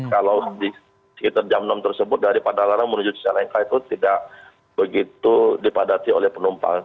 kalau di sekitar jam enam tersebut daripada larang menuju cicalengka itu tidak begitu dipadati oleh penumpang